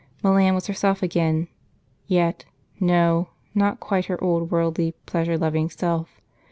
Milan was herself again yet, no, not quite her old worldly, pleasure loving self.